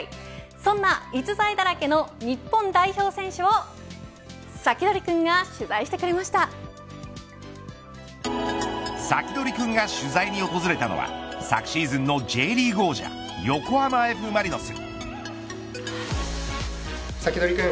そんな逸材だらけの日本代表選手をサキドリくんがサキドリくんが取材に訪れたのは昨シーズンのＪリーグ王者横浜Ｆ・マリノス。